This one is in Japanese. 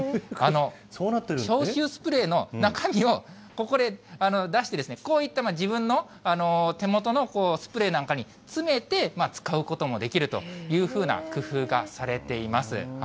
消臭スプレーの中身を、ここで出して、こういった自分の手元のスプレーなんかに詰めて、使うこともできるというふうな工夫がされています。